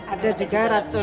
ada juga racun transparan